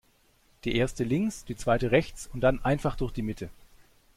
Die Erste links, die Zweite rechts und dann einfach durch die Mitte.